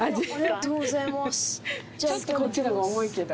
ちょっとこっちの方が重いけど。